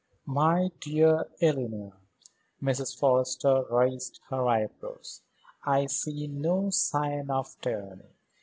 "My dear Eleanor," Mrs. Forrester raised her eyebrows. "I see no sign of tyranny.